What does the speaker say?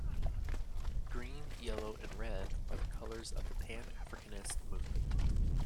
Green, yellow and red are the colours of the Pan-Africanist movement.